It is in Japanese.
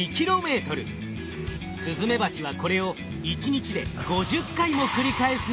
スズメバチはこれを１日で５０回も繰り返すので。